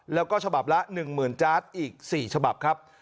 แล้วก็ฉบับละ๑๐๐๐จาร์ดอีก๔ฉบับครับ